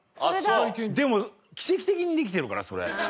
でも奇跡的にできてるからそれ。